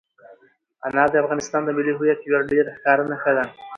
انار د افغانستان د ملي هویت یوه ډېره ښکاره نښه ده.